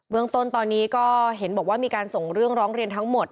เมืองต้นตอนนี้ก็เห็นบอกว่ามีการส่งเรื่องร้องเรียนทั้งหมด